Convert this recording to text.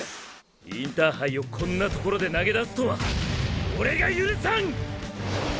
インターハイをこんなところで投げ出すとはオレが許さん！！